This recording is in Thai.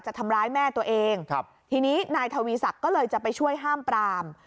ทำร้ายแม่ตัวเองครับทีนี้นายทวีศักดิ์ก็เลยจะไปช่วยห้ามปราม